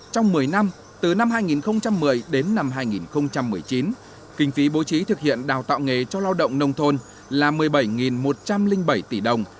trong một mươi năm từ năm hai nghìn một mươi đến năm hai nghìn một mươi chín kinh phí bố trí thực hiện đào tạo nghề cho lao động nông thôn là một mươi bảy một trăm linh bảy tỷ đồng